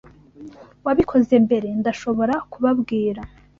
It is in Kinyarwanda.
Wabikoze mbere, ndashobora kubabwira.